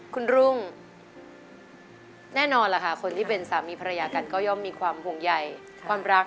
คุณรุ่งแน่นอนล่ะค่ะคนที่เป็นสามีภรรยากันก็ย่อมมีความห่วงใยความรัก